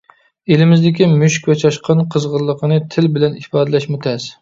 ئېلىمىزدىكى مۈشۈك ۋە چاشقان قىزغىنلىقىنى تىل بىلەن ئىپادىلەشمۇ تەس.